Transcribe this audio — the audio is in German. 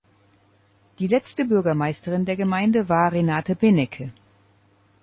Die letzte Bürgermeisterin der Gemeinde war Renate Benecke.